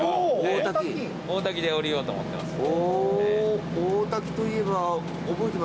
大多喜で降りようと思ってます。